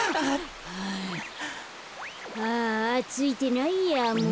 ああついてないやもう。